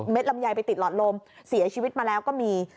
ลำไยไปติดหลอดลมเสียชีวิตมาแล้วก็มี